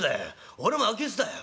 俺も空き巣だよ」。